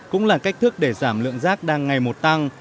cũng là cách thức để giảm lượng rác đang ngày một tăng